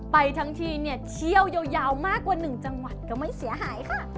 ไปทั้งทีเนี่ยเที่ยวยาวมากกว่า๑จังหวัดก็ไม่เสียหายค่ะ